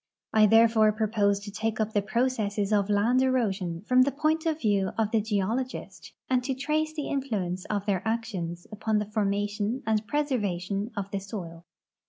I therefore propose to take up the processes of land erosion from the point of view of the geologist, and to tz'ace the influence of their actions upon the formation and izreservation of the soil.